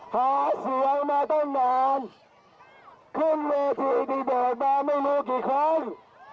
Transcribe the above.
หาเสียงมาต้นมานขึ้นทีที่เดินมาไม่รู้กี่ครั้ง